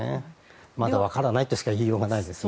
まだ分からないとしか言いようがないですね。